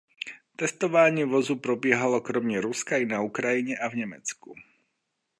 Testování vozu probíhalo kromě Ruska i na Ukrajině a v Německu.